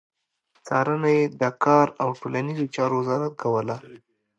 څارنه يې د کار او ټولنيزو چارو وزارت کوله.